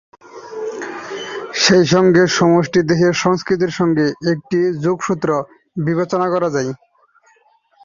সেই সঙ্গে সংশ্লিষ্ট দেশের সংস্কৃতির সঙ্গে এটির যোগসূত্রও বিবেচনা করা হয়।